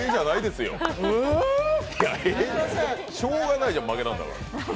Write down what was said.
しようがないじゃん、負けたんだから。